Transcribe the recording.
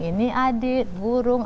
ini adit burung